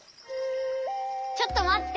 ちょっとまって！